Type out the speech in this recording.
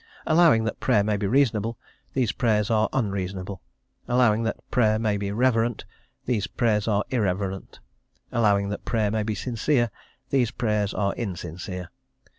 Allowing that prayer may be reasonable, these prayers are unreasonable; allowing that prayer may be reverent, these prayers are irreverent; allowing that prayer may be sincere, these prayers are insincere.